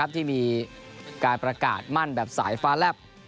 ที่มีการประกาศมั่นแบบสายฟ้าแลบ